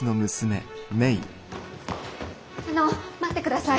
あの待ってください。